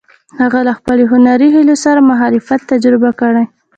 هغه له خپلو هنري هیلو سره مخالفت تجربه کړ.